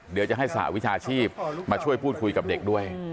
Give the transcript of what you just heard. เดี๋ยวจะให้สหวิชาชีพมาช่วยพูดคุยกับเด็กด้วย